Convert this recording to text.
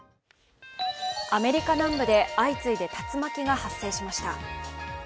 アメリカ南部で相次いで竜巻が発生しました。